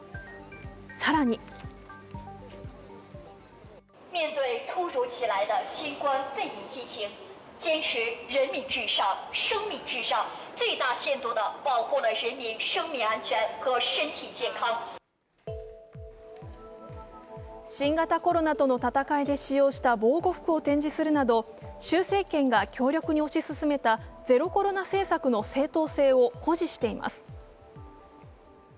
更に新型コロナとの闘いで使用した防護服を展示するなど習政権が強力に推し進めたゼロコロナ政策の正当性を誇示しています。